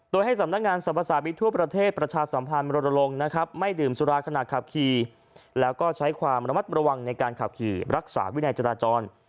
โดยให้สำนักงานสรรพสามิตรทั่วประเทศประชาสัมพันธ์รณลงนะครับไม่ดื่มสุราขณะขับขี่แล้วก็ใช้ความระมัดระวังในการขับขี่รักษาวินัยจราจร